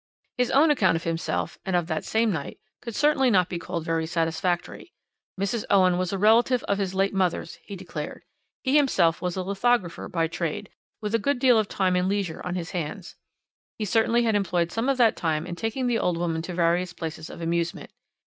"His own account of himself, and of that same night, could certainly not be called very satisfactory. Mrs. Owen was a relative of his late mother's, he declared. He himself was a lithographer by trade, with a good deal of time and leisure on his hands. He certainly had employed some of that time in taking the old woman to various places of amusement.